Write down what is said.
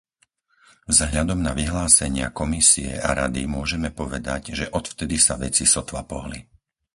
Vzhľadom na vyhlásenia Komisie a Rady môžeme povedať, že odvtedy sa veci sotva pohli.